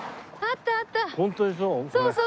そうそう。